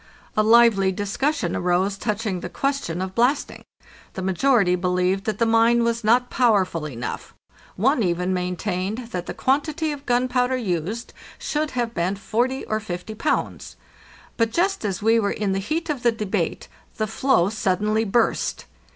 <A lively discussion arose touching the question of blasting. The majority believed that the mine was not powerful enough; one even maintained that the quantity of gunpowder used should have been 40 or 50 pounds. But just as we were in the heat of the debate the floe suddenly burst.